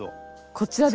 こちらですね！